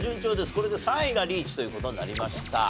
これで３位がリーチという事になりました。